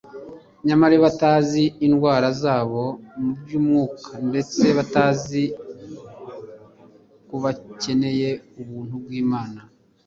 nyamari batazi indwara zabo mu by’umwuka, ndetse batazi ko bakeneye ubuntu bw’Imana